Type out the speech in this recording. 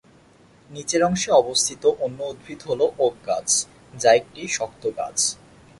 নিচের অংশে অবস্থিত অন্য উদ্ভিদ হল ওক গাছ, যা একটি শক্ত গাছ।